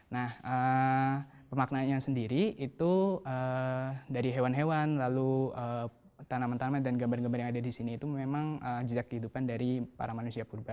nah pemaknaannya sendiri itu dari hewan hewan lalu tanaman tanaman dan gambar gambar yang ada di sini itu memang jejak kehidupan dari para manusia purba